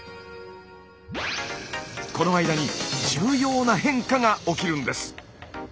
この間に重要な変化が起きるんです。